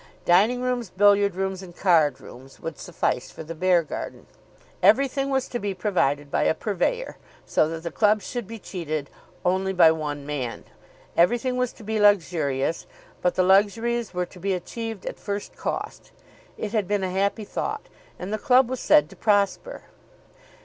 Dining rooms, billiard rooms, and card rooms would suffice for the Beargarden. Everything was to be provided by a purveyor, so that the club should be cheated only by one man. Everything was to be luxurious, but the luxuries were to be achieved at first cost. It had been a happy thought, and the club was said to prosper.